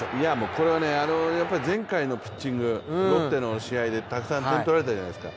これは前回のピッチングロッテの試合でたくさん点を取られたじゃないですか。